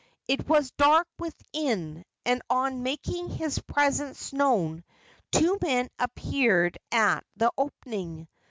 It was dark within, and on making his presence known two men appeared at the opening.